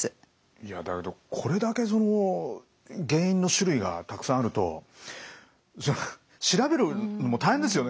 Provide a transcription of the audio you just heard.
いやだけどこれだけその原因の種類がたくさんあると調べるのも大変ですよね？